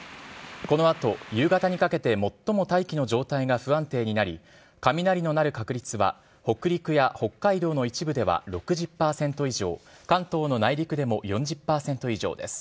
このあと夕方にかけて最も大気の状態が不安定になり、雷の鳴る確率は北陸や北海道の一部では６０％以上、関東の内陸でも４０％以上です。